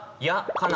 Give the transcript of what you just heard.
「かな」